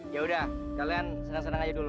yaudah kalian senang senang aja dulu